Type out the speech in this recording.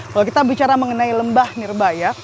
kalau kita bicara mengenai lembah nirbaya